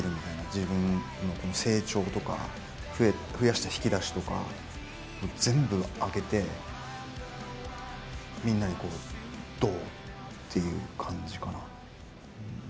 自分のこの成長とか増やした引き出しとか全部開けてみんなにこう「どう？」っていう感じかな。